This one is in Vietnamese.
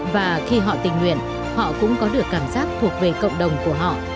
và khi họ tình nguyện họ cũng có được cảm giác thuộc về cộng đồng của họ